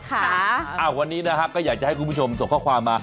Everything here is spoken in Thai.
ค่ะวันนี้นะฮะก็อยากจะให้คุณผู้ชมส่งข้อความมา